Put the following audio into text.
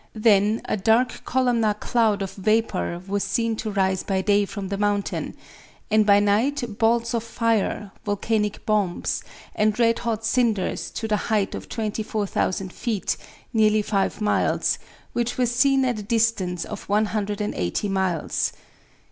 Then a dark columnar cloud of vapor was seen to rise by day from the mountain, and by night balls of fire (volcanic bombs) and red hot cinders to the height of 24,000 feet (nearly five miles), which were seen at a distance of 180 miles.